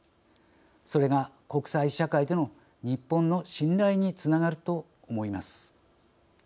それが国際社会での日本の信頼につながると思います。